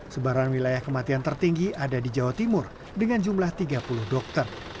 sebaran wilayah kematian tertinggi ada di jawa timur dengan jumlah tiga puluh dokter